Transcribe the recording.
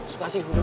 suka sih huru